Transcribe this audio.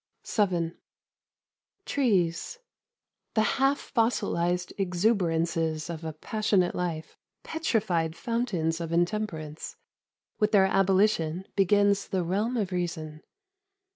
31 Beauty. VII. Trees, the half fossilised exuberances of a passionate life, petrified fountains of intemperance — with their abolition begins the realm of reason.